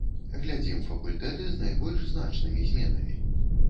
Глядзім факультэты з найбольш значнымі зменамі.